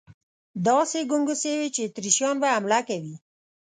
داسې ګنګوسې وې چې اتریشیان به حمله کوي.